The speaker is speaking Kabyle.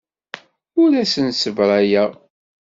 Ur asen-ssebrayeɣ.